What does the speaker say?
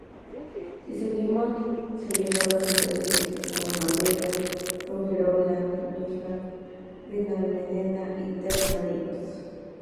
Si seguimos se llegaba a ciudades turísticas como Marbella, Fuengirola, Mijas, Benalmádena y Torremolinos.